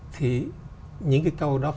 thì những cái câu đó